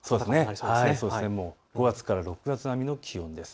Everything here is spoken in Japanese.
５月から６月並みの気温です。